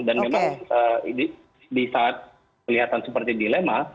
dan memang di saat kelihatan seperti dilema